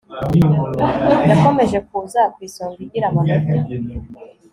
yakomeje kuza ku isonga igira amanota